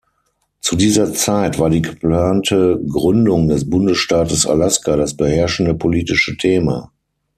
Zu dieser Zeit war die geplante Gründung des Bundesstaates Alaska das beherrschende politische Thema.